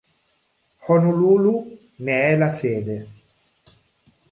Honolulu ne è la sede.